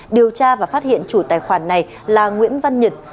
điều tra và phát hiện chủ tài khoản này là nguyễn văn nhật